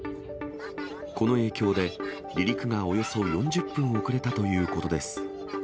この影響で、離陸がおよそ４０分遅れたということです。